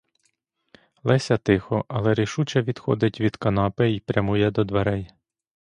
Леся тихо, але рішуче відходить від канапи й прямує до дверей.